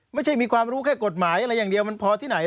ไม่ใช่มีความรู้แค่กฎหมายอะไรอย่างเดียวมันพอที่ไหน